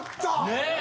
ねえ。